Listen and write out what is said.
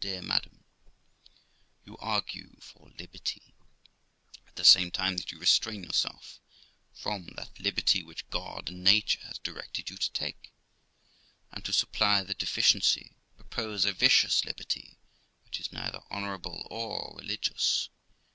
'Dear madam, you argue for liberty, at the same time that you restrain yourself from that liberty which God and nature has directed you to take, and, to supply the deficiency, propose a vicious liberty, which is neither honourable or religious.